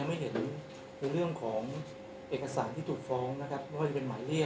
อันนี้ก็เมื่อกี๊จะกับชาย